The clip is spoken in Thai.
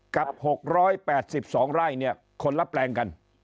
กับ๖๘๒ไร่เนี่ยคนละแปลงกัน